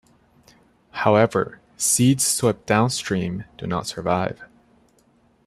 However, seeds swept downstream do not survive.